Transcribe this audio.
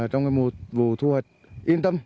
trong mùa vụ thu hợp yên tâm